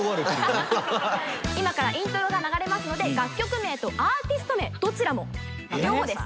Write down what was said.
今からイントロが流れますので楽曲名とアーティスト名どちらも両方です。